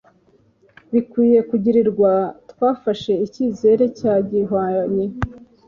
Bikwiye kugirirwa twafashe icyizere cya gihwanye